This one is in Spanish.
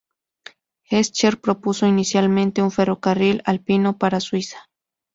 Escher propuso inicialmente un ferrocarril alpino para Suiza.